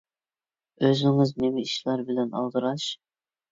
ئۆزىڭىز نېمە ئىشلار بىلەن ئالدىراش؟